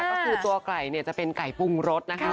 ก็คือตัวไก่เนี่ยจะเป็นไก่ปรุงรสนะคะ